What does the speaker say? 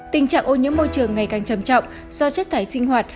tình trạng ô nhiễm môi trường ngày càng trầm trọng do chất thải sinh hoạt